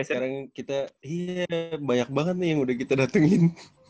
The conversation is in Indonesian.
sekarang kita iya banyak banget nih yang udah kita datengin